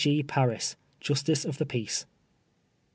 G. Paris, Justice of the Peace.